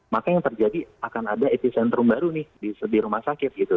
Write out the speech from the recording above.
maka yang terjadi akan ada epicentrum baru nih di rumah sakit gitu